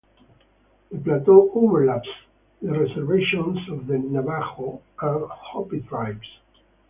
The plateau overlaps the reservations of the Navajo and Hopi Tribes.